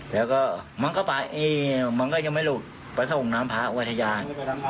แล้วก็มันก็ไปมันก็ยังไม่หลุดไปส่งน้ำพระอุทยาน